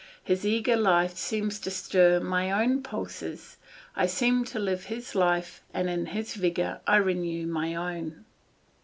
His eager life seems to stir my own pulses, I seem to live his life and in his vigour I renew my own.